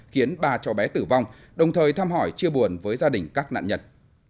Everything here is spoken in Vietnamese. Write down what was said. khiến ba chó bé tử vong đồng thời tham hỏi chia buồn với gia đình các nạn nhân